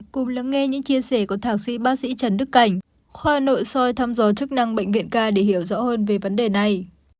cùng lắng nghe những chia sẻ của thạc sĩ bác sĩ trần đức cảnh khoa nội soi thăm dò chức năng bệnh viện k để hiểu rõ hơn về vấn đề này